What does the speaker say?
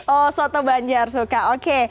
oh soto banjar suka oke